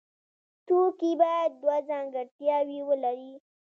توکی باید دوه ځانګړتیاوې ولري.